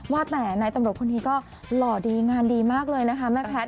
ว่าแต่นายตำรวจคนนี้ก็หล่อดีงานดีมากเลยนะคะแม่แพทย